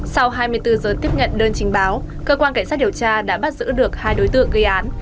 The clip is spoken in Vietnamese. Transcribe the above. sau hai mươi bốn giờ tiếp nhận đơn trình báo cơ quan cảnh sát điều tra đã bắt giữ được hai đối tượng gây án